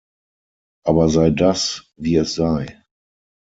Aber sei das, wie es sei.